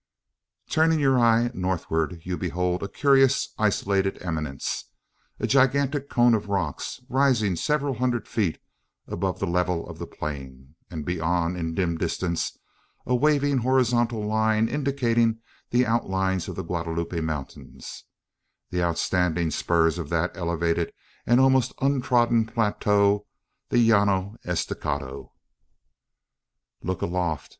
Turning your eye northward, you behold a curious isolated eminence a gigantic cone of rocks rising several hundred feet above the level of the plain; and beyond, in dim distance, a waving horizontal line indicating the outlines of the Guadalupe mountains the outstanding spurs of that elevated and almost untrodden plateau, the Llano Estacado. Look aloft!